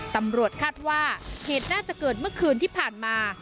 ตำรวจคาดว่าเหตุน่าจะเกิดเมื่อคืนที่ผ่านมา